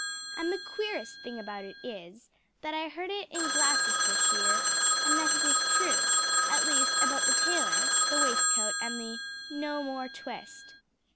_ _And the queerest thing about it is that I heard it in Gloucestershire, and that it is true at least about the tailor, the waistcoat, and the_ _"No more twist!"